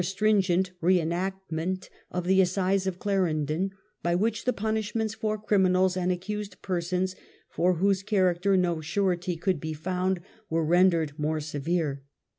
^ j, stringent re enactment of the Assize of Claren don^ by which the punishments for criminals, and accused persons for whose character no surety could be found. 32 REBELLION OF 1 1 83. were rendered more severe.